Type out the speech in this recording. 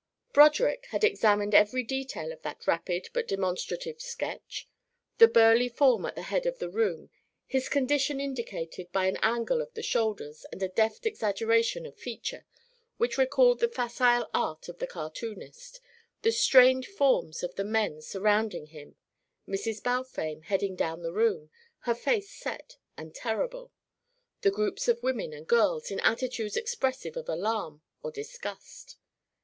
Broderick had examined every detail of that rapid but demonstrative sketch: the burly form at the head of the room, his condition indicated by an angle of the shoulders and a deft exaggeration of feature which recalled the facile art of the cartoonist; the strained forms of the men surrounding him; Mrs. Balfame heading down the room, her face set and terrible; the groups of women and girls in attitudes expressive of alarm or disgust.